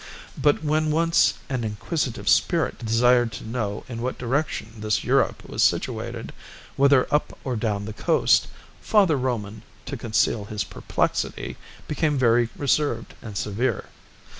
But when once an inquisitive spirit desired to know in what direction this Europe was situated, whether up or down the coast, Father Roman, to conceal his perplexity, became very reserved and severe.